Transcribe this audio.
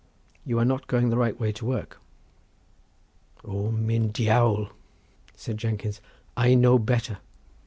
You are not going the right way to work." "O, myn Diawl!" said Jenkins, "I know better.